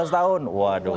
lima belas tahun waduh